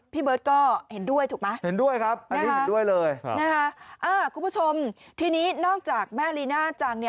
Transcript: พี่เบิร์ตก็เห็นด้วยถูกไหมนะคะคุณผู้ชมทีนี้นอกจากแม่ลีน่าจัง